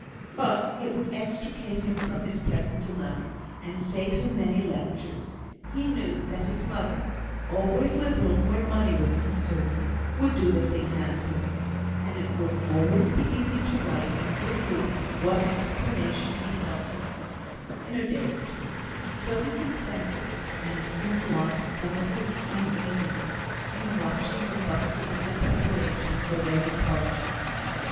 But it would extricate him from his present dilemma, and save him many lectures; he knew that his mother, always liberal where money was concerned, would "do the thing handsomely," and it would always be easy to write and give Ruth what explanation he felt inclined, in a day or two; so he consented, and soon lost some of his uneasiness in watching the bustle of the preparation for their departure.